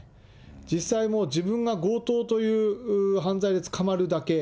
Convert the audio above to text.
実際もう自分が強盗という犯罪で捕まるだけ。